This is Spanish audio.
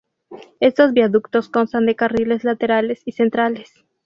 Estos viaductos constan de carriles laterales y centrales.